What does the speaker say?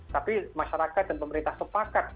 tapi masyarakat dan pemerintah sepakat